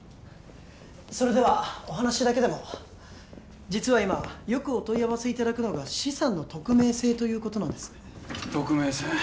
それではお話だけでも実は今よくお問い合わせいただくのが資産の匿名性ということなんです匿名性？